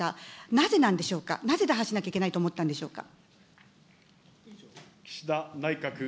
なぜなんでしょうか、なぜ打破しないといけないと思ったんでしょうか。